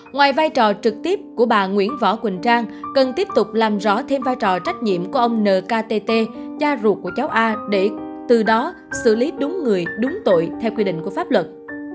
ngoài vai trò trực tiếp của bà nguyễn võ quỳnh trang cần tiếp tục làm rõ thêm vai trò trách nhiệm của ông nkt cha ruột của cháu a để từ đó xử lý đúng người đúng tội theo quy định của pháp luật